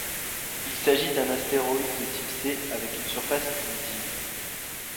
Il s'agit d'un astéroïde de type C avec une surface primitive.